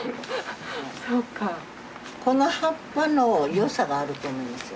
この葉っぱの良さがあると思いますよ。